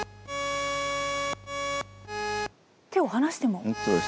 手を離しても音が？